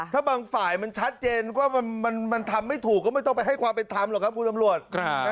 ถ้าบางฝ่ายมันชัดเจนว่ามันทำไม่ถูกก็ไม่ต้องไปให้ความเป็นธรรมหรอกครับคุณตำรวจ